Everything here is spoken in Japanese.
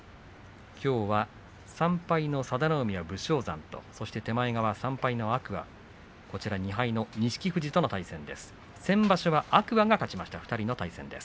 きょうは３敗の佐田の海が武将山と手前側の３敗の天空海錦富士との対戦です。